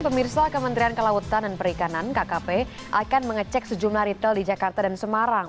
pemirsa kementerian kelautan dan perikanan kkp akan mengecek sejumlah retail di jakarta dan semarang